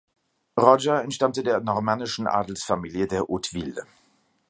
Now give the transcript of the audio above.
Roger entstammte der normannischen Adelsfamilie der Hauteville.